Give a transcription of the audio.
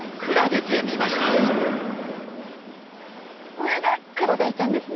上がクロダイちゃんですね。